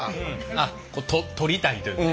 あっこう撮りたいというかね。